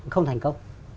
không thành công